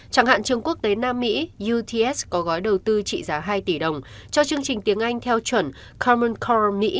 chẳng hạn trường quốc tế nam mỹ uts có gói đầu tư trị giá hai tỷ đồng cho chương trình tiếng anh theo chuẩn common corumi